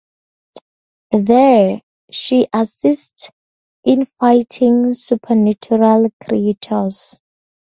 There, she assists in fighting supernatural creatures.